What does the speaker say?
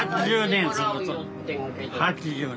８０年。